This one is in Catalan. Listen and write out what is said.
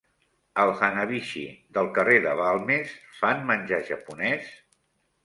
Al Hanabishi del carrer de Balmes fan menjar japonés?